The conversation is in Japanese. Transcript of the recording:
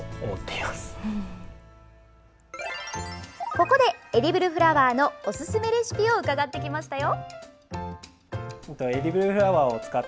ここでエディブルフラワーのおすすめレシピを伺ってきましたよ。